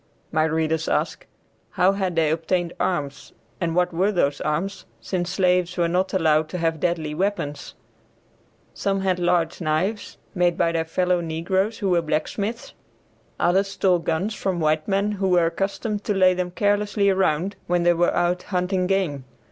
My readers ask, how had they obtained arms and what were those arms, since slaves were not allowed to have deadly weapons? Some had large knives made by their fellow negroes who were blacksmiths, others stole guns from white men who were accustomed to lay them carelessly around when they were out hunting game.